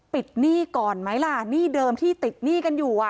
หนี้ก่อนไหมล่ะหนี้เดิมที่ติดหนี้กันอยู่อ่ะ